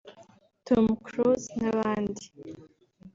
Tom Close n’abandi